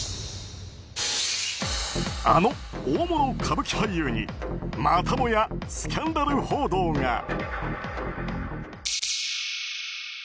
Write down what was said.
あの大物歌舞伎俳優にまたもやスキャンダル報道が。